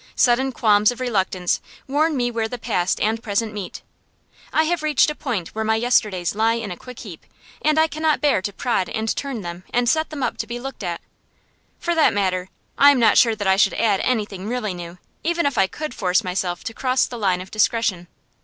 Sudden qualms of reluctance warn me where the past and present meet. I have reached a point where my yesterdays lie in a quick heap, and I cannot bear to prod and turn them and set them up to be looked at. For that matter, I am not sure that I should add anything really new, even if I could force myself to cross the line of discretion.